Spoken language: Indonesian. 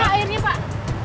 sini kau airnya pak